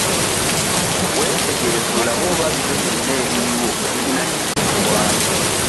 Weetegereze olabe oba bino byonna ebiriwo birina gye bitutwala.